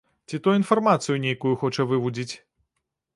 Ці то інфармацыю нейкую хоча вывудзіць?